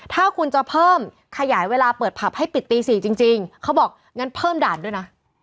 ถ้าคุณจะเพิ่มขยายเวลาเปิดผับให้ปิดตี๔จริงเขาบอกงั้นเพิ่มด่านด้วยนะ